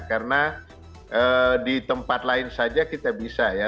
karena di tempat lain saja kita bisa ya